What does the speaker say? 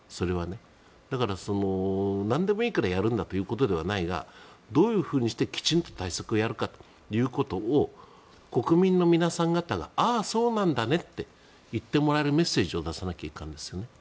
だから、なんでもいいからやるんだということではないがどういうふうにしてきちんと対策をやるかということを国民の皆さん方がああ、そうなんだねって言ってもらえるメッセージを出さなければいかんですよね。